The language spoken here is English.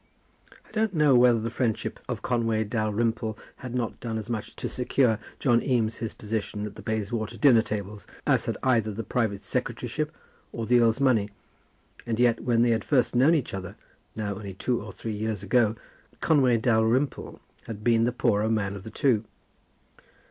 I don't know whether the friendship of Conway Dalrymple had not done as much to secure John Eames his position at the Bayswater dinner tables, as had either the private secretaryship, or the earl's money; and yet, when they had first known each other, now only two or three years ago, Conway Dalrymple had been the poorer man of the two.